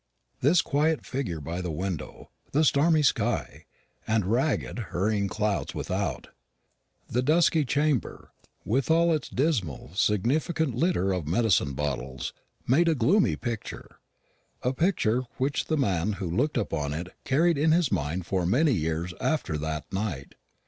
This quiet figure by the window, the stormy sky, and ragged hurrying clouds without, the dusky chamber with all its dismally significant litter of medicine bottles, made a gloomy picture a picture which the man who looked upon it carried in his mind for many years after that night.